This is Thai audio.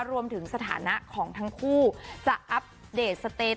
รวมถึงสถานะของทั้งคู่จะอัปเดตสเตต